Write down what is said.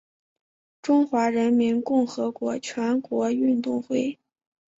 中华人民共和国全国运动会。